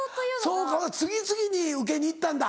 そうか次々に受けに行ったんだ。